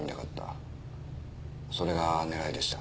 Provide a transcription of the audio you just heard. それが狙いでした。